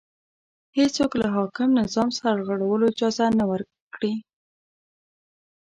هېڅوک له حاکم نظام سرغړولو اجازه نه ورکړي